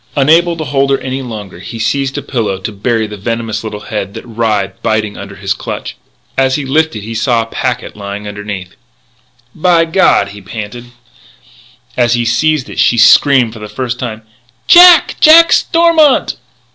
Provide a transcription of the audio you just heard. Unable to hold her any longer, he seized a pillow, to bury the venomous little head that writhed, biting, under his clutch. As he lifted it he saw a packet lying under it. "By God!" he panted. As he seized it she screamed for the first time: "Jack! Jack Stormont!"